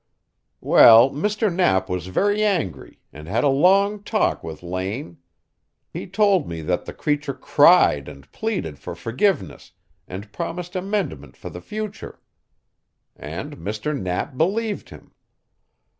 "Well, Mr. Knapp was very angry, and had a long talk with Lane. He told me that the creature cried and pleaded for forgiveness, and promised amendment for the future. And Mr. Knapp believed him.